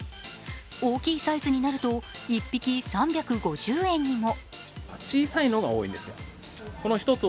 大きいサイズにもなると１匹３５０円にも。